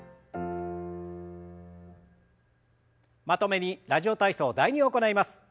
まとめに「ラジオ体操第２」を行います。